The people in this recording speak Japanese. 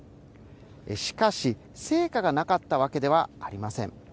しかし、成果がなかったわけではありません。